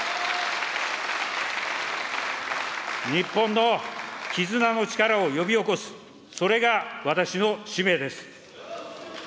日本の絆の力を呼び起こす、それが私の使命です。